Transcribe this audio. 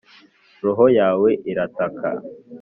roho yawe irataka,